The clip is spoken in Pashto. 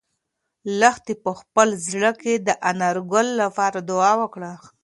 لښتې په خپل زړه کې د انارګل لپاره دعا وکړه.